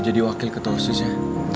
jadi wakil ketosis ya